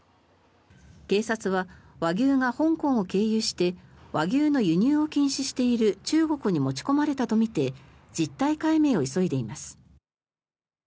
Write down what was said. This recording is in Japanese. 警察は和牛が香港を経由して和牛の輸入を禁止している中国に持ち込まれたとみて実態解明を急いでいます。